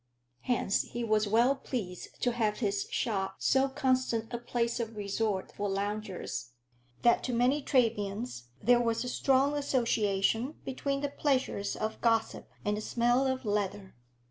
Hence he was well pleased to have his shop so constant a place of resort for loungers, that to many Trebians there was a strong association between the pleasures of gossip and the smell of leather.